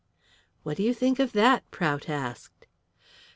"What do you think of that?" Prout asked.